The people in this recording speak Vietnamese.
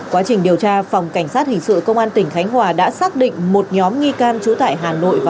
quá trình điều tra phòng cảnh sát hình sự công an tỉnh khánh hòa đã xác định